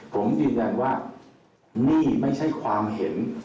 ผมยืนยันว่านี่ไม่ใช่ความเห็น